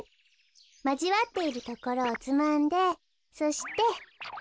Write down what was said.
まじわっているところをつまんでそして。